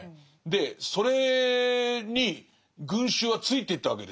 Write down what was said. でそれに群衆はついていったわけですよね。